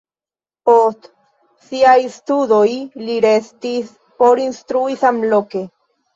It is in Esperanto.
Post siaj studoj li restis por instrui samloke.